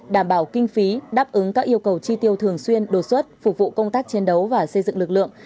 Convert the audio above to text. đảm bảo kinh phí đáp ứng các yêu cầu chi tiêu thường xuyên đột xuất phục vụ công tác chiến đấu và xây dựng lực lượng